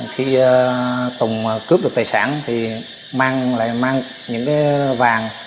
khi tùng cướp được tài sản thì mang lại mang những cái vàng